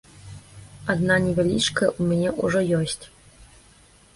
Адна невялічкая ў мяне ўжо ёсць.